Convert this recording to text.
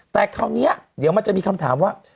แต่คราวนี้เดี๋ยวมันจะมีคำถามว่า